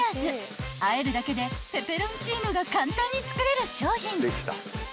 ［あえるだけでペペロンチーノが簡単に作れる商品］